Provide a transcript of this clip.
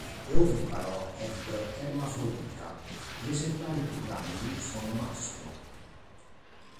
È oviparo ed ermafrodita; gli esemplari più grandi sono maschio.